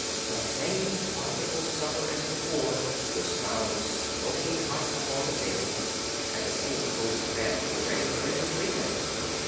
The same bountiful supper as before was found smoking hot upon the table and the same cosy beds were ready for them to sleep in.